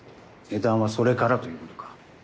値段はそれからという事か？